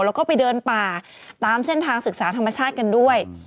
แล้วก็ไปเดินป่าตามเส้นทางศึกษาธรรมชาติกันด้วย